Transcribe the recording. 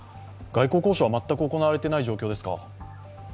外交交渉は全く行われていない状況ですか？